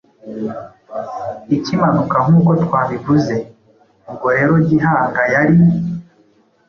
Ikimanuka nk'uko twabivuze. Ubwo rero Gihanga yari "